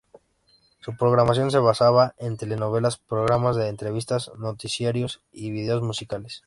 Su programación se basaba en telenovelas, programas de entrevistas, noticiarios y vídeos musicales.